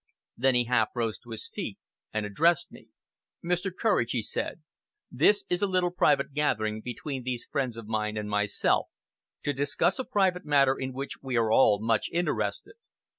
Then he half rose to his feet and addressed me. "Mr. Courage," he said, "this is a little private gathering between these friends of mine and myself, to discuss a private matter in which we are all much interested.